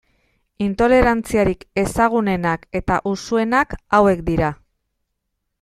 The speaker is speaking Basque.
Intolerantziarik ezagunenak eta usuenak hauek dira.